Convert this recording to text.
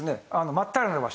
真っ平らな場所。